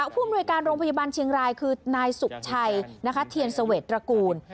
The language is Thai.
ผู้อำนวยการโรงพยาบาลเชียงรายคือนายสุขชัยนะคะเทียนเสวดตระกูล